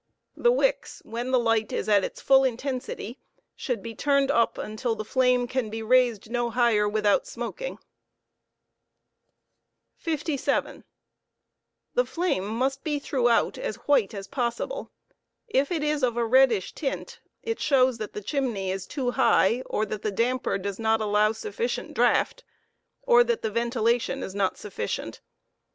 The wick$, wkeu the light is at its full intensity, should lie turned up until the flame can be raised no higher without smoking. cJ Cotoof flame i 57, Tjte flame jnust be throughout as white as possible. If it is of a reddish tint it shows that the chimney is too high, or that the damper does not allow sufficient draught, or that the ventilation is not sufficient.